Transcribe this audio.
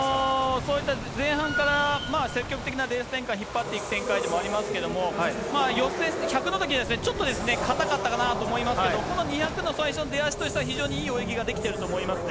そういった前半から積極的なレース展開、引っ張っていく展開ではありますけれども、予選、１００のときですね、ちょっと堅かったかなと思いますけれども、この２００の最初の出足としては、非常にいい泳ぎができてると思いますね。